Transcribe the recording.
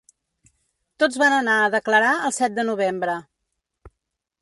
Tots van anar a declarar el set de novembre.